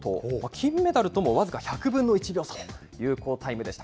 金メダルとも僅か１００分の１秒差という好タイムでした。